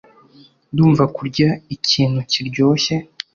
Ndumva kurya ikintu kiryoshye.